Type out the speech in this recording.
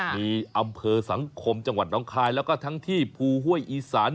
มีอำเภอสังคมจังหวัดน้องคายแล้วก็ทั้งที่ภูห้วยอีสาน